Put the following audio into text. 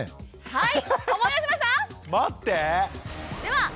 はい。